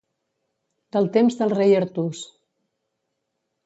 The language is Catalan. Del temps del rei Artús.